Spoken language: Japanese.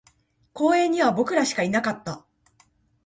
公園には僕らしかいなかった